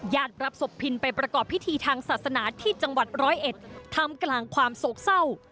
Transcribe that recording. รับศพพินไปประกอบพิธีทางศาสนาที่จังหวัดร้อยเอ็ดทำกลางความโศกเศร้า